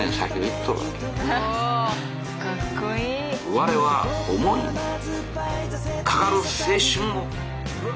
我は思いかかる青春の。